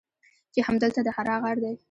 چې همدلته د حرا غار دی.